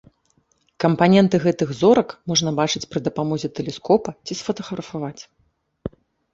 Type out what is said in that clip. Кампаненты гэтых зорак можна бачыць пры дапамозе тэлескопа ці сфатаграфаваць.